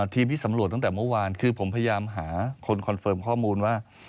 ทีมที่สำรวจตั้งแต่เมื่อวานคือผมพยายามหาคนคอนเฟิร์มข้อมูลว่า